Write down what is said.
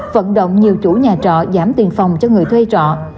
vận động nhiều chủ nhà trọ giảm tiền phòng cho người thuê trọ